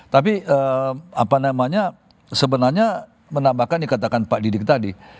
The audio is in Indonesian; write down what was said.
tapi apa namanya sebenarnya menambahkan dikatakan pak didik tadi